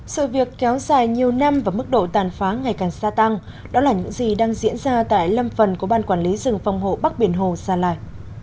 sự việc kéo dài nhiều năm và mức độ tàn phá ngày càng xa tăng đó là những gì đang diễn ra tại lâm phần của ban quản lý rừng phòng hộ bắc biển hồ xa lại